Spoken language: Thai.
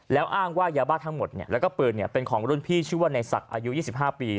แล้วอ้างว่ายาบ้าทั้งหมดแล้วก็ปืนเป็นของรุ่นพี่ชื่อว่าในศักดิ์อายุ๒๕ปี